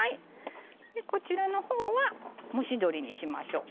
こちらのほうは蒸し鶏にしましょう。